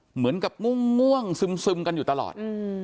เหมือนกับง่วงซึมกันอยู่ตลอด